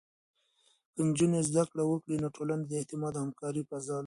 که نجونې زده کړه وکړي، نو ټولنه د اعتماد او همکارۍ فضا لري.